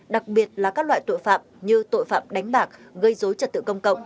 đặc biệt là các loại tội phạm như tội phạm đánh bạc gây dối trật tự công cộng